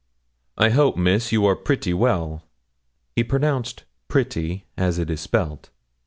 'I hope, Miss, you are pretty well?' He pronounced 'pretty' as it is spelt.